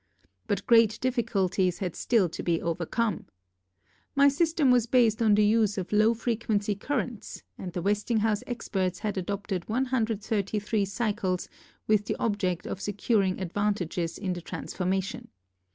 But great difficulties had still to be overcome. My system was based on the use of low frequency currents and the Westinghouse experts had adopted 133 cycles with the object of securing advan tages in the transformation.